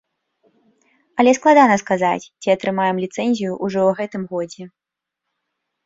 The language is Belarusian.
Але складана сказаць, ці атрымаем ліцэнзію ўжо ў гэтым годзе.